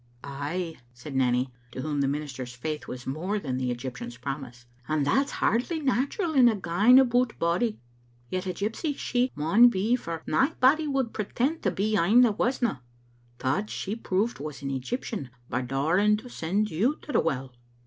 *• Ay," said Nanny, to whom the minister's faith was more than the Egyptian's promise, "and that's hardly natural in a gaen aboot body. Yet a gypsy she maun be, for naebody would pretend to be ane that wasna. Tod, she proved she was an Egyptian by dauring to send you to the well.